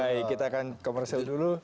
baik kita akan komersil dulu